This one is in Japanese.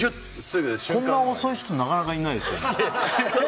こんな遅い人なかなかいないですよね。